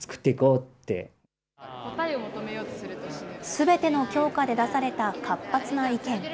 すべての教科で出された活発な意見。